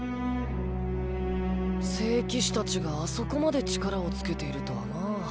聖騎士たちがあそこまで力を付けているとはな。